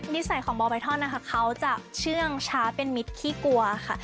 นิสัยของบอไบทอนนะคะเขาจะเชื่องช้าเป็นมิตรขี้กลัวค่ะ